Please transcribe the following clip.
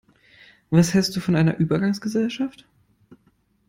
Was hältst du von einer Übergangsgesellschaft?